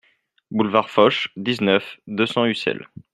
Boulevard Foch, dix-neuf, deux cents Ussel